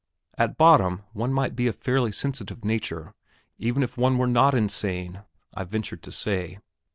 At bottom one might be a fairly sensitive nature, even if one were not insane, I ventured to say.